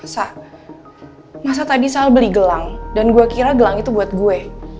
masa tadi sal beli gelang dan gue kira gelang itu buat gue